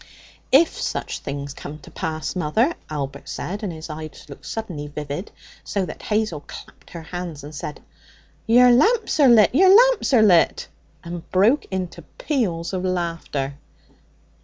'If such things come to pass, mother,' Albert said, and his eyes looked suddenly vivid, so that Hazel clapped her hands and said, 'Yer lamps are lit! Yer lamps are lit!' and broke into peals of laughter.